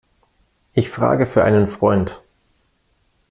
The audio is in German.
Ich frage für einen Freund.